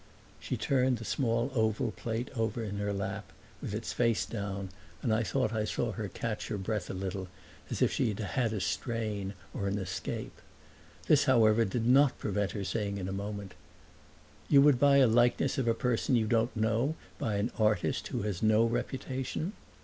She turned the small oval plate over in her lap, with its face down, and I thought I saw her catch her breath a little, as if she had had a strain or an escape. This however did not prevent her saying in a moment, "You would buy a likeness of a person you don't know, by an artist who has no reputation?"